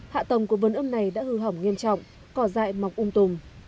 hạ tầng của vườn ươm này đã hư hỏng nghiêm trọng cỏ dại mọc ung tùng